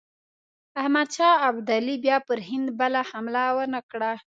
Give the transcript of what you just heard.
احمدشاه ابدالي بیا پر هند بله حمله ونه کړه.